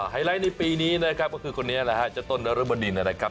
ไลท์ในปีนี้นะครับก็คือคนนี้แหละฮะเจ้าต้นนรบดินนะครับ